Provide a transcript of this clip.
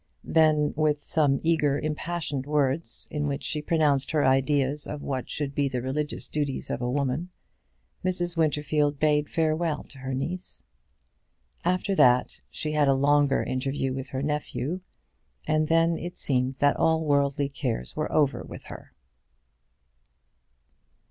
Then, with some eager impassioned words, in which she pronounced her ideas of what should be the religious duties of a woman, Mrs. Winterfield bade farewell to her niece. After that, she had a longer interview with her nephew, and then it seemed that all worldly cares were over with her.